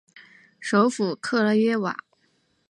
首府克拉约瓦。